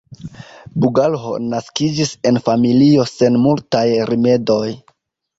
Bugalho naskiĝis en familio sen multaj rimedoj.